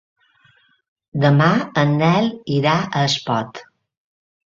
Demà en Nel irà a Espot.